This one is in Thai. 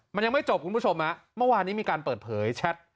มันยังไม่จบคุณผู้ชมเมื่อวานนี้มีการเปิดเผยแชท